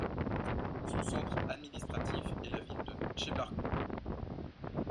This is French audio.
Son centre administratif est la ville de Tchebarkoul.